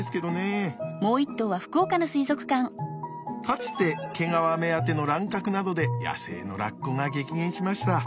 かつて毛皮目当ての乱獲などで野生のラッコが激減しました。